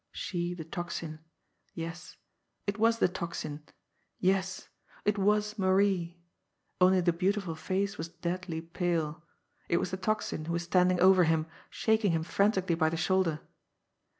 She, the Tocsin; yes, it was the Tocsin; yes, it was Marie only the beautiful face was deadly pale it was the Tocsin who was standing over him, shaking him frantically by the shoulder.